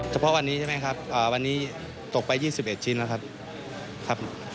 เฉพาะวันนี้ใช่ไหมครับวันนี้ตกไป๒๑ชิ้นแล้วครับ